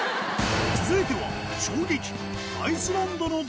続いては。